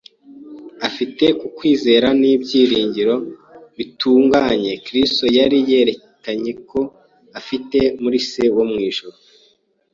Afatiye ku kwizera n’ibyiringiro bitunganye Kristo yari yerekanye ko afite muri Se wo mu ijuru